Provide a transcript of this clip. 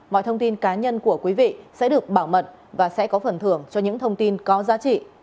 mọi thông tin cá nhân của quý vị sẽ được bảo mật và sẽ có phần thưởng cho những thông tin có giá trị